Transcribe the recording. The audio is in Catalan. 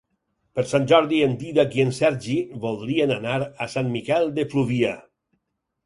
Per Sant Jordi en Dídac i en Sergi voldrien anar a Sant Miquel de Fluvià.